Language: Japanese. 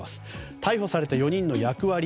逮捕された４人の役割。